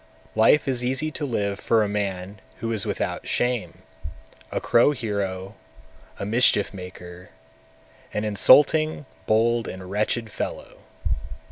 244. Life is easy to live for a man who is without shame, a crow hero, a mischief maker, an insulting, bold, and wretched fellow.